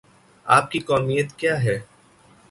آپ کی قومیت کیا ہے؟